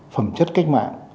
phẩm chất cách mạng